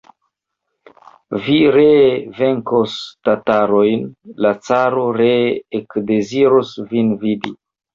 Vi ree venkos tatarojn, la caro ree ekdeziros vin vidi.